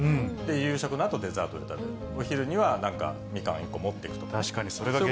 夕食のあとデザートに食べる、お昼には、なんかミカン１個持っていくとか。